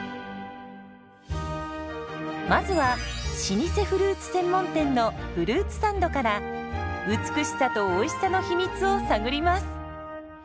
まずは老舗フルーツ専門店のフルーツサンドから美しさとおいしさの秘密を探ります。